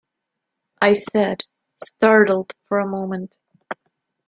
I said, startled for a moment.